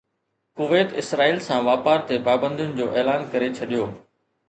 Kuwait Israel سان واپار تي پابندين جو اعلان ڪري ڇڏيو